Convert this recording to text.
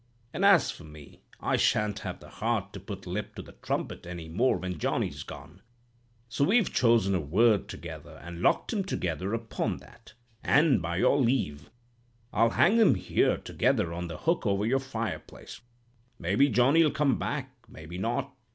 And, as for me, I shan't have the heart to put lip to the trumpet any more when Johnny's gone. So we've chosen a word together, and locked 'em together upon that; and, by your leave, I'll hang 'em here together on the hook over your fireplace. Maybe Johnny'll come back; maybe not.